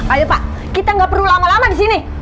ayo pak kita gak perlu lama lama di sini